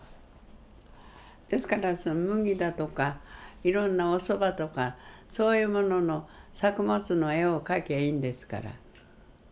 ですから麦だとかいろんなおそばとかそういうものの作物の絵を描きゃいいんですから。